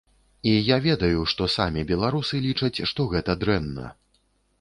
І я ведаю, што самі беларусы лічаць, што гэта дрэнна.